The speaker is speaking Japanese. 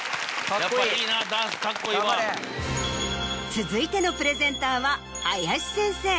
続いてのプレゼンターは林先生。